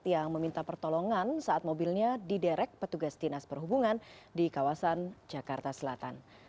yang meminta pertolongan saat mobilnya diderek petugas dinas perhubungan di kawasan jakarta selatan